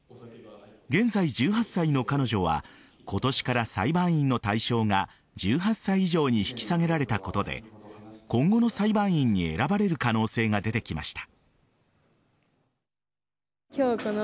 現在１８歳の彼女は今年から裁判員の対象が１８歳以上に引き下げられたことで今後の裁判員に選ばれる可能性が出てきました。